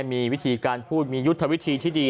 มีวิธีการพูดมียุทธวิธีที่ดี